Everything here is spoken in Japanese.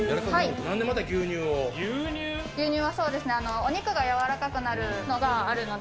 牛乳は、そうですね、お肉が柔らかくなるのがあるので。